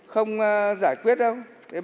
không giải quyết đâu